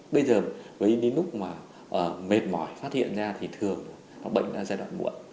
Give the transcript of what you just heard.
bây giờ với những lúc mà mệt mỏi phát hiện ra thì thường bệnh ra giai đoạn muộn